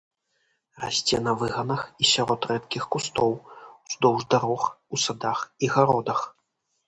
Расце на выганах і сярод рэдкіх кустоў, уздоўж дарог, у садах і гародах.